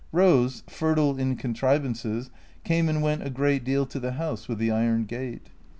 Eose, fertile in contrivances, came and went a great deal to the house with the iron gate.